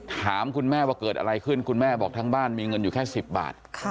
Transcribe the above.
ถามคุณแม่ว่าเกิดอะไรขึ้นคุณแม่บอกทั้งบ้านมีเงินอยู่แค่๑๐บาท